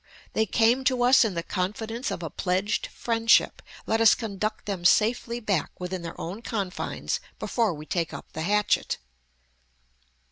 They came to us in the confidence of a pledged friendship; let us conduct them safely back within their own confines before we take up the hatchet!"